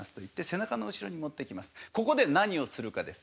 ここで何をするかです。